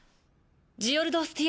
ジオルド・スティ